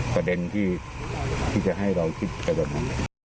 ประเด็นที่จะให้เราคิดไปแบบนั้น